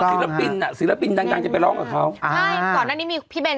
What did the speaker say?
ศิลปินอ่ะศิลปินดังดังจะไปร้องกับเขาอ่าใช่ก่อนหน้านี้มีพี่เบน